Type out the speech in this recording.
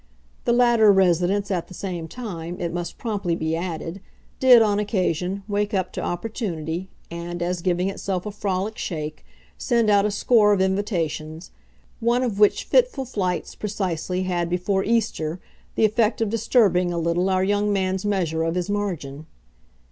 The latter residence, at the same time, it must promptly be added, did, on occasion, wake up to opportunity and, as giving itself a frolic shake, send out a score of invitations one of which fitful flights, precisely, had, before Easter, the effect of disturbing a little our young man's measure of his margin.